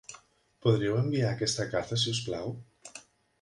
Podríeu enviar aquesta carta si us plau?